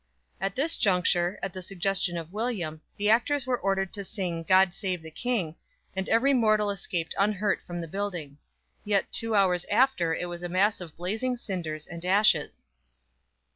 At this juncture, at the suggestion of William, the actors were ordered to sing "God Save the King," and every mortal escaped unhurt from the building. Yet two hours after it was a mass of blazing cinders and ashes.